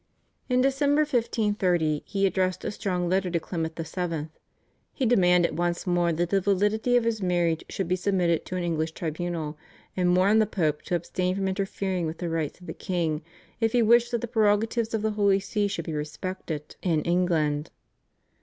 In December 1530 he addressed a strong letter to Clement VII. He demanded once more that the validity of his marriage should be submitted to an English tribunal, and warned the Pope to abstain from interfering with the rights of the king, if he wished that the prerogatives of the Holy See should be respected in England.